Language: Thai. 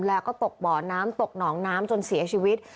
แล้วก็ตกบ่อน้ำตกหนองน้ำจนเสียชีวิต